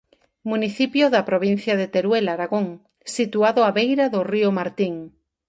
Municipio da provincia de Teruel, Aragón, situado á beira do río Martín.